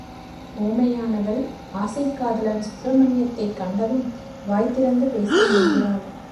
ஊமையானவள் ஆசைக் காதலன் சுப்பிரமணியத்தைக் கண்டதும், வாய் திறந்து பேச முனைகிறாள்.